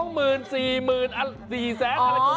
๒หมื่น๔หมื่น๔แสนอะไรก็ว่าไปอย่างนั้นนะ